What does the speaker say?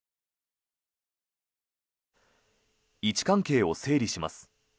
位置関係を整理します。